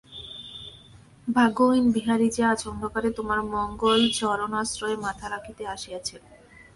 ভাগ্যহীন বিহারী যে আজ অন্ধকারে তোমার মঙ্গলচরণাশ্রয়ে মাথা রাখিতে আসিয়াছিল।